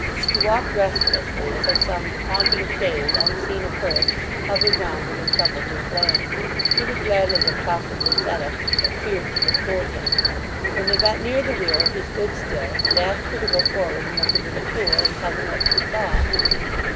He walked restlessly, as if some haunting shade, unseen of her, hovered round him and troubled his glance. She would gladly have talked of Lucetta, but feared to disturb him. When they got near the weir he stood still, and asked her to go forward and look into the pool, and tell him what she saw.